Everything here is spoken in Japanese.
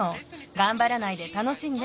がんばらないでたのしんで。